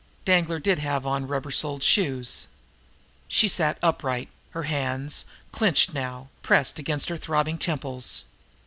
Danglar did have on rubber soled shoes. She sat upright, her hands, clenched now, pressed hard against her throbbing temples.